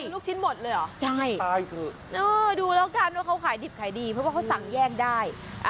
ลูกชิ้นหมดเลยเหรอใช่ตายเถอะดูแล้วกันว่าเขาขายดิบขายดีเพราะว่าเขาสั่งแย่งได้